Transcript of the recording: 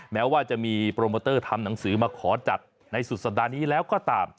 แม้ว่าจะมีโปรโมเตอร์ทำหนังสือมาขอจัดในสุดสัปดาห์นี้แล้วก็ตาม